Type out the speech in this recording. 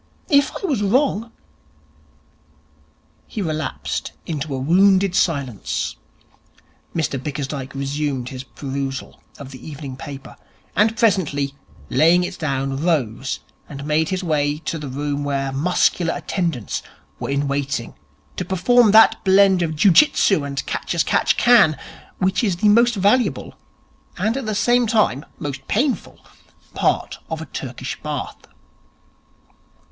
If I was wrong ' He relapsed into a wounded silence. Mr Bickersdyke resumed his perusal of the evening paper, and presently, laying it down, rose and made his way to the room where muscular attendants were in waiting to perform that blend of Jiu Jitsu and Catch as catch can which is the most valuable and at the same time most painful part of a Turkish Bath.